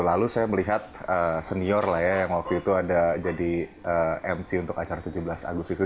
lalu saya melihat senior lah ya yang waktu itu ada jadi mc untuk acara tujuh belas agustus itu